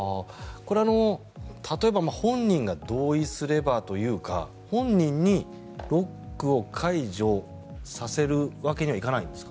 例えば本人が同意すればというか本人にロックを解除させるわけにはいかないんですか？